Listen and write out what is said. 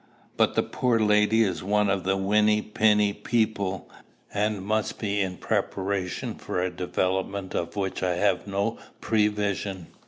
But the poor lady is one of the whiny piny people, and must be in preparation for a development of which I have no prevision.